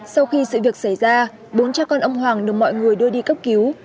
sau khi sự việc xảy ra bốn cha con ông hoàng được mọi người đưa đi cấp cứu